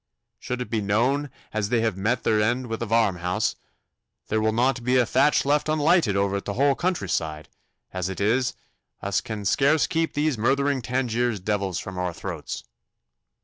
Should it be known as they have met their end within a varmhouse, there will not be a thatch left unlighted over t' whole country side; as it is, us can scarce keep these murthering Tangiers devils from oor throats.